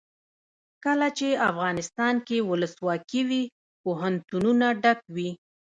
کله چې افغانستان کې ولسواکي وي پوهنتونونه ډک وي.